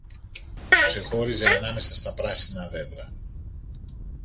που ξεχώριζε ανάμεσα στα πράσινα δέντρα.